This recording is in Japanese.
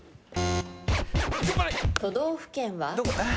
都道府県は？